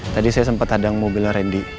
tadi saya sempat adang mobilnya randy